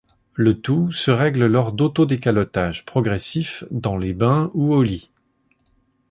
Le tout se règle lors d'auto-décalottage progressif dans les bains, ou au lit.